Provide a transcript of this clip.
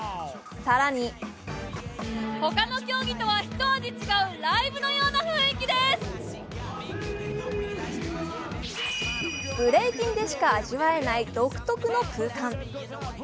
更にブレイキンでしか味わえない独特な空間。